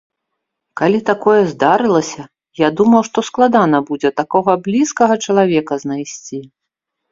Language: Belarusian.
Калі такое здарылася, я думаў, што складана будзе такога блізкага чалавека знайсці.